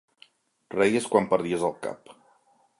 Reies quan perdies el cap.